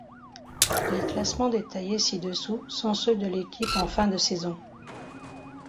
Les classements détaillés ci-dessous sont ceux de l'équipe en fin de saison.